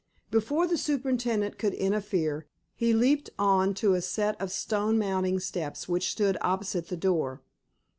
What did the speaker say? Before the superintendent could interfere, he leaped on to a set of stone mounting steps which stood opposite the door.